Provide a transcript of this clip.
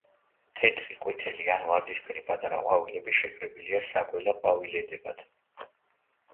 თეთრი, ყვითელი ან ვარდისფერი პატარა ყვავილები შეკრებილია საგველა ყვავილედებად.